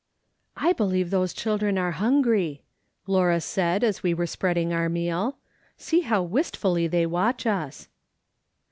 " I believe those children are hungry," Lavira said, as we were spreading our meal. " See how wistfully they watch us."